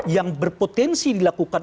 yang berpotensi dilakukan